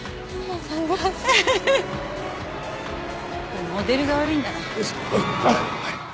これモデルが悪いんだな。